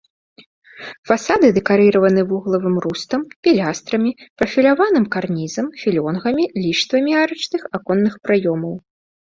Фасады дэкарыраваны вуглавым рустам, пілястрамі, прафіляваным карнізам, філёнгамі, ліштвамі арачных аконных праёмаў.